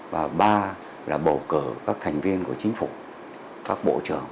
và ba là bầu cử các thành viên của chính phủ các bộ trưởng